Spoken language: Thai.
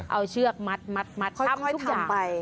เอาเชือกมัดทำทุกอย่างค่อยทำไป